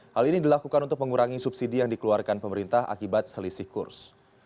hal ini dilakukan untuk mengurangi subsidi yang dikeluarkan pemerintah akibat selisih kurs